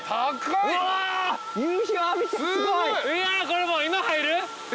これもう今入る？